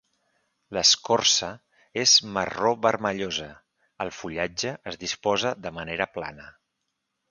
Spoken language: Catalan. L'escorça és marró-vermellosa, el fullatge es disposa de manera plana.